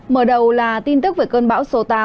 mở đầu là tin tức về cơn bão số tám